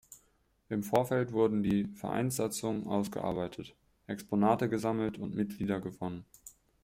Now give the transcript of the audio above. Im Vorfeld wurden die Vereinssatzung ausgearbeitet, Exponate gesammelt und Mitglieder gewonnen.